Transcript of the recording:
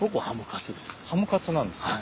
ハムカツなんですね。